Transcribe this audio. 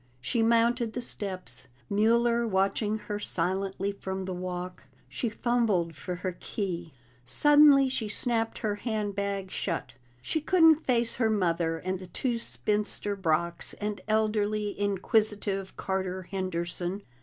She mounted the steps, Mueller watching her silently from the walk; she fumbled for her key. Suddenly she snapped her hand bag shut; she couldn't face her mother and the two spinster Brocks and elderly, inquisitive Carter Henderson.